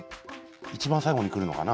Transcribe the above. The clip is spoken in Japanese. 一番最後にくるのかな？